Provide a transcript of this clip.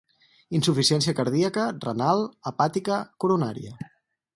Insuficiència cardíaca, renal, hepàtica, coronària.